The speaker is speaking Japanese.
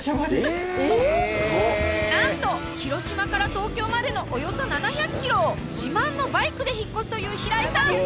なんと広島から東京までのおよそ７００ｋｍを自慢のバイクで引っ越すという平井さん。